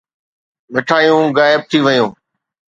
مٺايون غائب ٿي ويون.